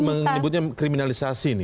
ada menyebutnya kriminalisasi ini